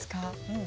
うん。